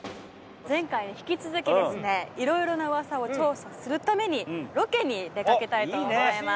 前回に引き続きですねいろいろなウワサを調査するためにロケに出かけたいと思います。